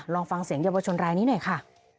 ลองฟังเสียงเยาวชนรายนี้หน่อยค่ะ